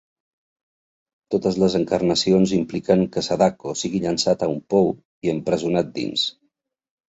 Totes les encarnacions impliquen que Sadako sigui llançat a un pou i empresonat dins.